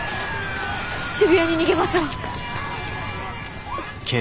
渋谷に逃げましょう。